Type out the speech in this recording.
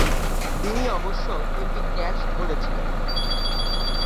তিনি অবশ্য তিনটি ক্যাচ ধরেছিলেন।